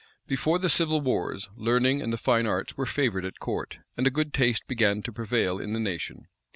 Before the civil wars, learning and the fine arts were favored at court, and a good taste began to prevail in the nation.